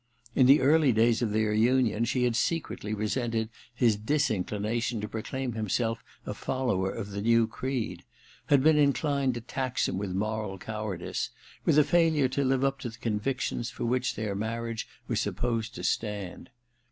In the early days of their union she had secretly resented his disinclination to proclaim himself a follower of the new creed ; had been inclined to tax him with moral cowardice, with a failure to live up to the convictions for which their marriage was supposed to stand.